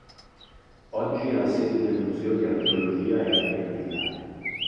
Oggi è la sede del "Museo di archeologia e arti applicate".